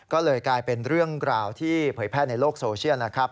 ก็เลยกลายเป็นเรื่องราวที่เผยแพร่ในโลกโซเชียลนะครับ